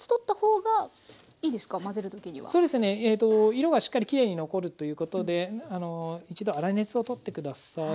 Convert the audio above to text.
色がしっかりきれいに残るということで一度粗熱を取って下さい。